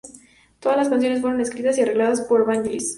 Todas las canciones fueron escritas y arregladas por Vangelis